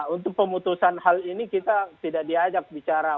untuk pemutusan hal ini kita tidak diajak bicara